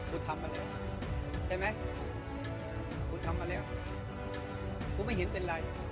ทำมาแล้วใช่ไหมกูทำมาแล้วกูไม่เห็นเป็นไร